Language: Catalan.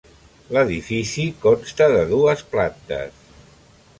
L'edifici consta de dues plantes.